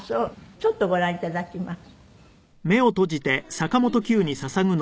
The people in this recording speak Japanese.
ちょっとご覧頂きます。